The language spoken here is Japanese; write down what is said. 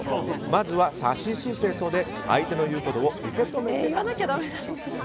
まずは「さしすせそ」で相手の言うことを受け止めてと。